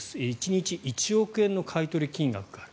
１日１億円の買い取り金額がある。